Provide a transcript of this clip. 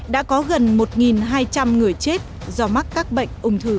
đã có gần một hai trăm linh người chết do mắc các bệnh